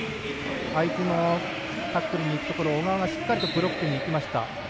相手のタックルにいくところ小川がしっかりブロックに行きました。